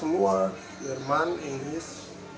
di jerman inggris